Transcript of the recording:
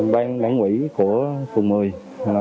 ban đảng quỹ của phường một mươi